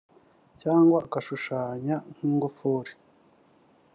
cyangwa agashushanyo k’ingufuri)